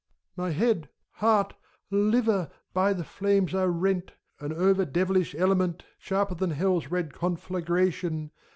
My head, heart, liver, by the flames are rent! An over devilish element! — Sharper than Hell's red conflagration